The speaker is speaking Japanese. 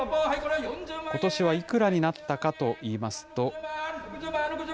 ことしはいくらになったかといいますと。